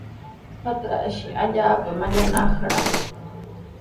Patranshi allaapa mallaqnarqan.